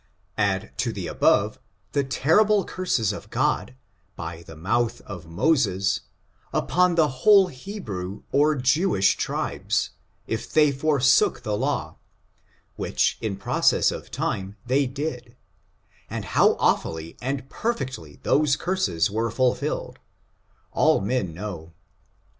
Add to the above the terrible curses of God, by the mouth of Moses, upon the whole Hebrew or Jewish tribes, if they forsook the law, which in process of time they did: and how awfully and perfectly those curses were fulfilled, all men know.